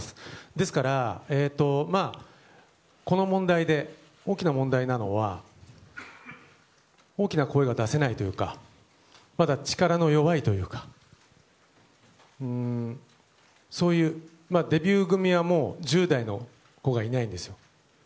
ですから、この問題で大きな問題なのは大きな声が出せないというかまだ力の弱いというかデビュー組は１０代の子がいないんですよ。